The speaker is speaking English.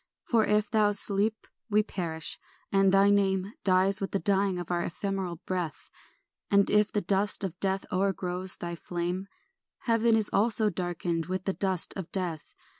For if thou sleep, we perish, and thy name Dies with the dying of our ephemeral breath; And if the dust of death o'ergrows thy flame, Heaven also is darkened with the dust of death.